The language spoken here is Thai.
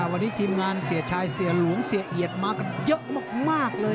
วันนี้ทีมงานเสียชายเสียหลวงเสียเอียดมากันเยอะมากเลย